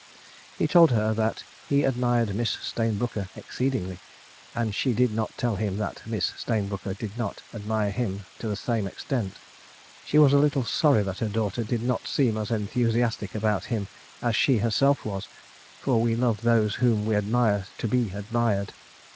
... He told her that he admired Miss Stayne Brooker exceedingly, and she did not tell him that Miss Stayne Brooker did not admire him to the same extent. ... She was a little sorry that her daughter did not seem as enthusiastic about him as she herself was, for we love those whom we admire to be admired.